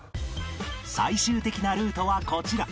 最終的なルートはこちら